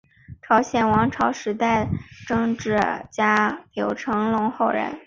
朝鲜王朝时代政治家柳成龙后人。